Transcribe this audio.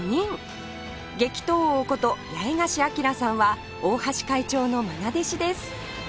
激闘王こと八重樫東さんは大橋会長の愛弟子です